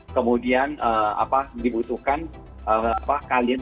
kemudian dibutuhkan kalian untuk berdaulat